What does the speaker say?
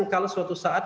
kalau suatu saat